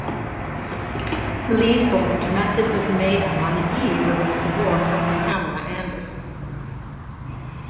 Lee formed Methods of Mayhem on the eve of his divorce from Pamela Anderson.